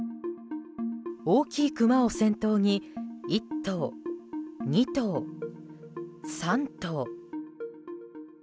大きいクマを先頭に１頭、２頭、３頭。